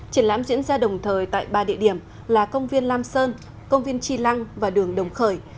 triển lãm diễn ra đồng thời tại ba địa điểm là công viên lam sơn công viên tri lăng và đường đồng khởi